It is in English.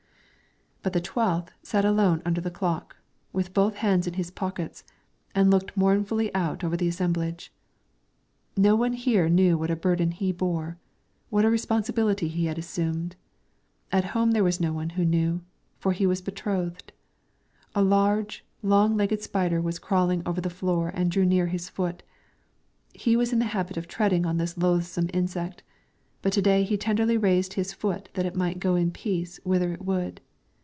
But the twelfth sat alone under the clock, with both hands in his pockets, and looked mournfully out over the assemblage. No one here knew what a burden he bore, what a responsibility he had assumed. At home there was one who knew, for he was betrothed. A large, long legged spider was crawling over the floor and drew near his foot; he was in the habit of treading on this loathsome insect, but to day he tenderly raised his foot that it might go in peace whither it would.